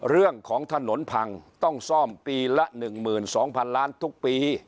เรื่องของถนนพังต้องซ่อมปีละหนึ่งหมื่นสองพันล้านทุกปี